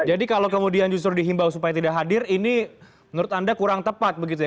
jadi kalau kemudian justru dihimbau supaya tidak hadir ini menurut anda kurang tepat begitu ya